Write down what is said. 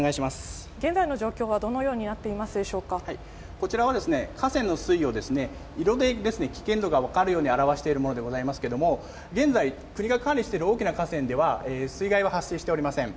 現在の状況はどのようになっこちらはですね、河川の水位を色で危険度が分かるように表しているものでございますけれども、現在、国が管理している大きな河川では、水害は発生しておりません。